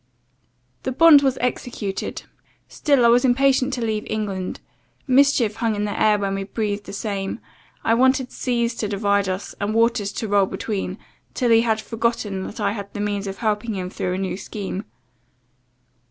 "The bond was executed; still I was impatient to leave England. Mischief hung in the air when we breathed the same; I wanted seas to divide us, and waters to roll between, till he had forgotten that I had the means of helping him through a new scheme.